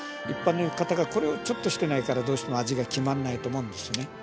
一般の方がこれをちょっとしてないからどうしても味がきまんないと思うんですよね。